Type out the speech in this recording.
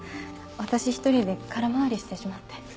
私一人で空回りしてしまって。